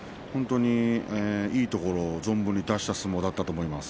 いいところを存分に出した相撲だったと思います。